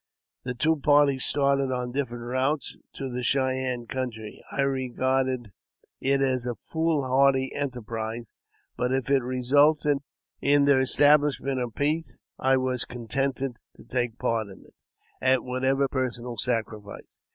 The two parties started on different routes to the Cheyenne country. 1 regarded it as a foolhardy enterprise, but if it resulted in the establishment of peace, I was contented to take part in it, at whatever personal sacrifice.